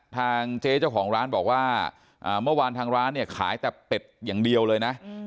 ทางเจ๊เจ้าของร้านบอกว่าเมื่อวานทางร้านเนี่ยขายแต่เป็ดอย่างเดียวเลยนะ